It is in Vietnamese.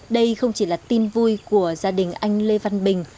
đây không chỉ là tin vui của gia đình anh lê văn bình